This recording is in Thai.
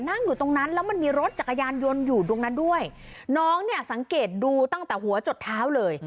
นั่งอยู่ตรงนั้นแล้วมันมีรถจักรยานยนต์อยู่ตรงนั้นด้วยน้องเนี่ยสังเกตดูตั้งแต่หัวจดเท้าเลย